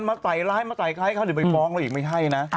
มาใส่ร้ายมาใส่ข้าวเดี๋ยวไปล้องอีกไม่ใช่นะ